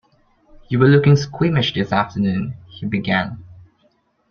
You were looking squeamish this afternoon, he began.